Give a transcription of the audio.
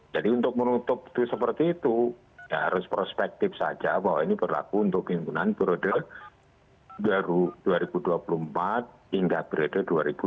jadi untuk menutup itu seperti itu harus prospektif saja bahwa ini berlaku untuk keinginan berode baru dua ribu dua puluh empat hingga berode dua ribu dua puluh sembilan